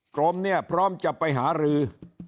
กรมเนี่ยพร้อมจะไปหารือ